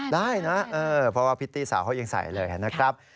ได้นะเพราะว่าพิตตี้สาวเขายังใส่เลยนะครับ